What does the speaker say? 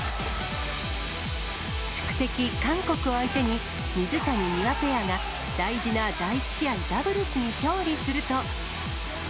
宿敵、韓国を相手に、水谷・丹羽ペアが大事な第１試合ダブルスに勝利すると。